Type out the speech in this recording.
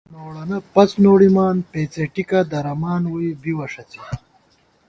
نوڑَنہ پڅ نوڑِمان ، پېڅېٹِکہ درَمان ووئی بِیوَہ ݭَڅی